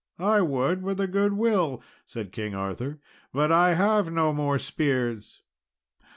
"I would with a good will," said King Arthur; "but I have no more spears."